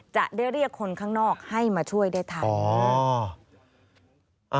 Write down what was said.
จะได้เรียกคนข้างนอกให้มาช่วยได้ทัน